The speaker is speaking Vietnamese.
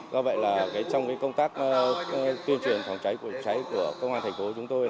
do vậy là trong công tác tuyên truyền phòng cháy của công an thành phố chúng tôi